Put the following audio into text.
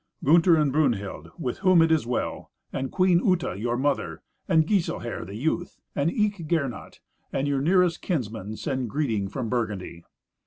Gunther and Brunhild, with whom it is well, and Queen Uta, your mother, and Giselher, the youth, and eke Gernot, and your nearest kinsmen, send greeting from Burgundy."